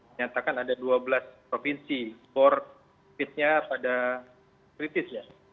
menyatakan ada dua belas provinsi bor covid nya pada kritis ya